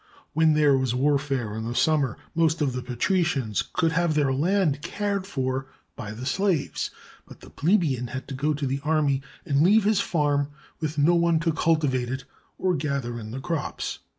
When there was warfare in the summer, most of the patricians could have their land cared for by slaves; but the plebe ian had to go to the army and leave his farm with no one to cultivate it or gather in the crops.